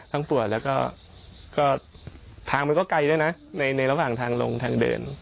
ปวดแล้วก็ทางมันก็ไกลด้วยนะในระหว่างทางลงทางเดิน